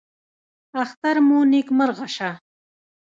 اختر مو نیکمرغه شه